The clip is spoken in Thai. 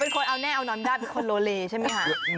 คนเอาแน่เอานอนได้เป็นคนโลเลใช่ไหมคะ